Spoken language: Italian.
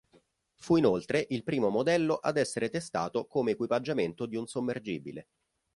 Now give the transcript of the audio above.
Fu inoltre il primo modello ad essere testato come equipaggiamento di un sommergibile.